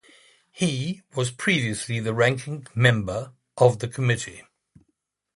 He was previously the ranking member of the committee.